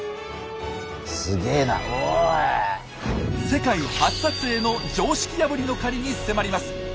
世界初撮影の常識破りの狩りに迫ります。